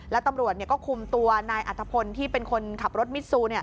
แล้วตำรวจก็คุมตัวนายอัตภพลที่เป็นคนขับรถมิซู